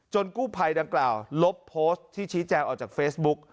กู้ภัยดังกล่าวลบโพสต์ที่ชี้แจงออกจากเฟซบุ๊ก